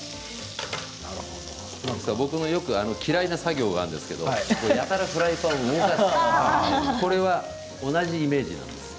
僕も嫌いな作業があるんですけれど、やたらフライパンを動かすこれは同じイメージなんです。